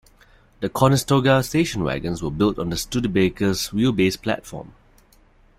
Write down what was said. The Conestoga station wagons were built on the Studebaker's wheelbase platform.